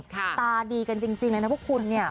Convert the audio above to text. ตาดีกันจริงเลยนะพวกคุณเนี่ย